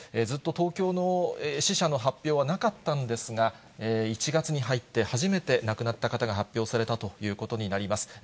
ずっと東京の死者の発表はなかったんですが、１月に入って初めて亡くなった方が発表されたということになります。